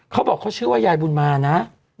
เขาบอกเขาชื่อว่ายายบุญมานะ